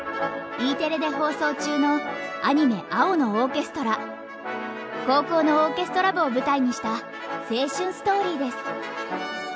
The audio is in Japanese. Ｅテレで放送中のアニメ高校のオーケストラ部を舞台にした青春ストーリーです。